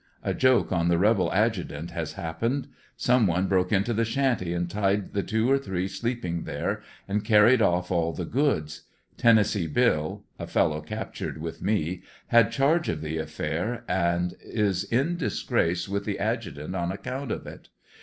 A joke on the rebel adjutant has happened. Some one broke into the shanty and tied the two or three sleeping there, and carried off all the goods. Tennessee Bill, (a fellow captured with me) had charge of the affair, and is in disgrace with the adjutant on account of it.